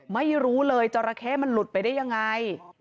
ไม่รู้เลยจราเข้มันหลุดไปได้ยังไง